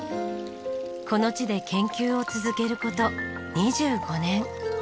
この地で研究を続ける事２５年。